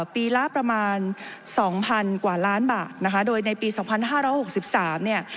ปีละประมาณสองพันกว่าล้านบาทนะคะโดยในปีสองพันห้าร้าหกสิบสามเนี่ย